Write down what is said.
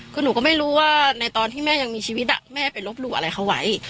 คือหนูก็ไม่รู้ว่าในตอนที่แม่ยังมีชีวิตแม่ไปลบหลู่อะไรเขาไว้